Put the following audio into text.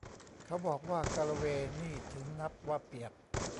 เขาบอกว่า กัลเวย์ นี่ถึงนับว่าเปียก